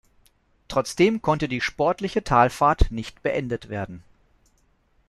Trotzdem konnte die sportliche Talfahrt nicht beendet werden.